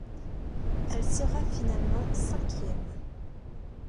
Elle sera finalement cinquième.